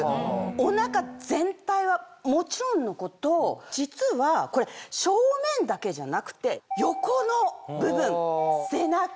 おなか全体はもちろんのこと実はこれ正面だけじゃなくて横の部分背中。